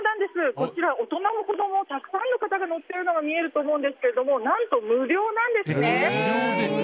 こちら、大人も子供もたくさんの方が乗っているのが見えると思いますが何と無料なんですね。